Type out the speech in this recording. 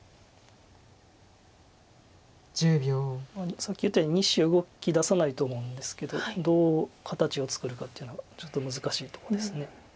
さっき言ったように２子を動きださないと思うんですけどどう形を作るかというのはちょっと難しいとこです。